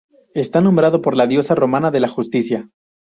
Está nombrado por la diosa romana de la justicia.